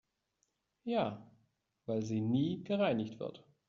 Ja, weil sie nie gereinigt wird.